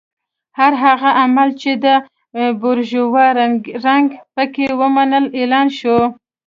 هر هغه عمل چې د بورژوا رنګ پکې و منع اعلان شو.